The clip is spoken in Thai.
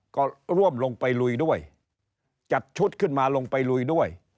ก็ร่วมลงไปลุยด้วยจัดชุดขึ้นมาลงไปลุยด้วย